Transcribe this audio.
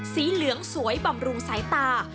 สีเหลืองสวยบำรุงสายตา